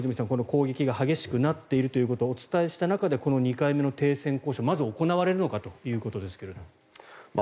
この攻撃が激しくなっているということをお伝えしましたがこの２回目の停戦交渉がまず行われるのかですが。